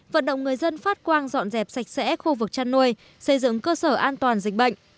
vận động người dân phát quang dọn dẹp sạch sẽ khu vực chăn nuôi xây dựng cơ sở an toàn dịch bệnh